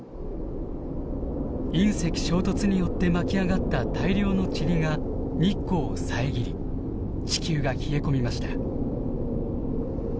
隕石衝突によって巻き上がった大量のチリが日光を遮り地球が冷え込みました。